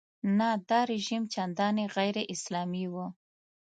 نه دا رژیم چندانې غیراسلامي و.